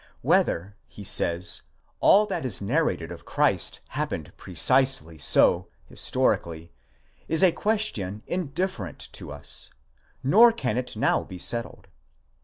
Whether, he says, all that is narrated of Christ happened precisely so, historically, is a question indifferent to us, nor can it now be settled.